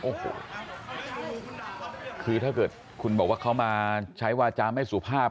โอ้โหคือถ้าเกิดคุณบอกว่าเขามาใช้วาจาไม่สุภาพ